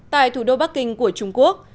tại thủ đô bắc kinh của trung quốc